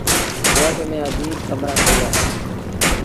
ڪوٽ ميݩ اجيٚب ڪمرآ ٺهيٚل اوهيݩ ۔